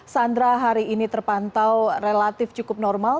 sandra hari ini terpantau relatif cukup normal